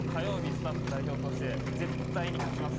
スタッフ代表として、絶対に勝ちます。